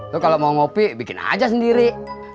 tuh kalau mau ngopi bikin aja sendiri